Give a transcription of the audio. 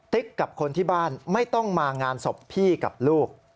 กับคนที่บ้านไม่ต้องมางานศพพี่กับลูก